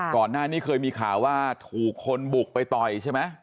ก่อนหน้านี้เคยมีข่าวว่าถูกคนบุกไปต่อยใช่ไหม